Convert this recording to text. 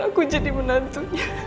aku jadi menantunya